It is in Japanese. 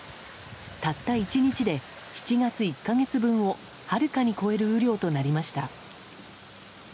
たった１日で７月１か月分をはるかに超える雨量となりました。